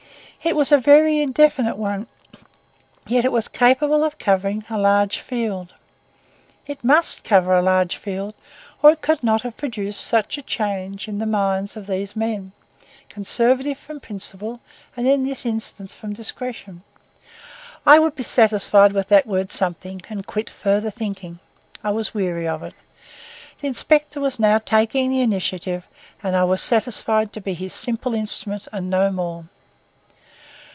It was a very indefinite one, yet was capable of covering a large field. It must cover a large field, or it could not have produced such a change in the minds of these men, conservative from principle and in this instance from discretion. I would be satisfied with that word something and quit further thinking. I was weary of it. The inspector was now taking the initiative, and I was satisfied to be his simple instrument and no more.